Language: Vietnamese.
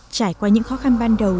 trải qua những khó khăn ban đầu